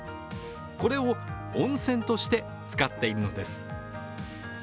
これを温泉として使っているのです。